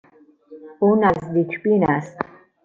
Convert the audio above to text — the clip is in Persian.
او نزدیک بین است.